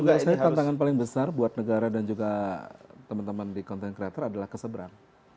menurut saya tantangan paling besar buat negara dan juga teman teman di content creator adalah keseberang